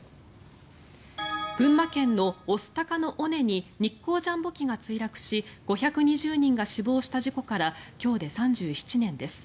群馬県の御巣鷹の尾根に日航ジャンボ機が墜落し５２０人が死亡した事故から今日で３７年です。